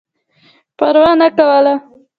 پروا نه کوله.